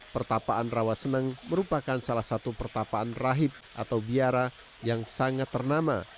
pertapaan rawaseneng merupakan salah satu pertapaan rahib atau biara yang sangat ternama